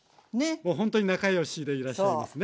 ほんとに仲良しでいらっしゃいますね。